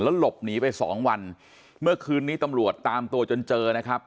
หลบหนีไปสองวันเมื่อคืนนี้ตำรวจตามตัวจนเจอนะครับ